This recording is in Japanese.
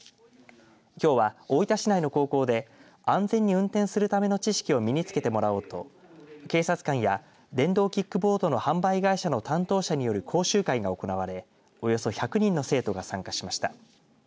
きょうは大分市内の高校で安全に運転するための知識を身につけてもらおうと警察官や電動キックボードの販売会社の担当者による講習会が行われおよそ１００人の生徒が参加しました。